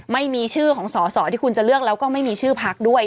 ไม่มีชื่อของสอสอที่คุณจะเลือกแล้วก็ไม่มีชื่อพักด้วย